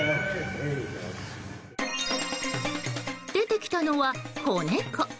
出てきたのは、子猫。